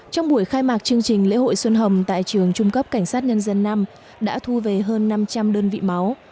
trong buổi khai mạc chương trình lễ hội xuân hồng tại trường trung cấp cảnh sát nhân dân năm đã thu về hơn năm trăm linh đơn vị máu